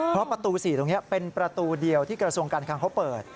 เพราะประตู๔ตรงนี้เป็นประตูเดียวที่กระทรวงการคังเขาเปิด